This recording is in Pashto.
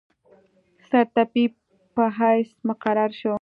سرطبیب په حیث مقرر شو.